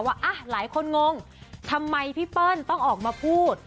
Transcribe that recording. ว่าหลายคนงงทำไมพี่เปิ้ลต้องออกมาพูด